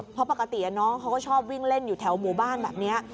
เพราะปกติน้องเขาก็ชอบวิ่งเล่นอยู่แถวหมู่บ้านแบบนี้